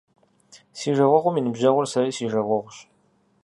Си жагъуэгъум и ныбжьэгъур сэри си жагъуэгъущ.